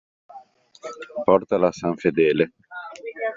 Portala a San Fedele.